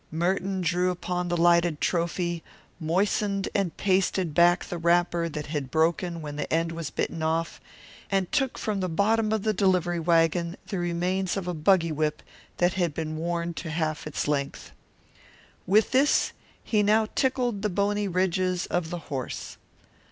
Merton drew upon the lighted trophy, moistened and pasted back the wrapper that had broken when the end was bitten off, and took from the bottom of the delivery wagon the remains of a buggy whip that had been worn to half its length. With this he now tickled the bony ridges of the horse.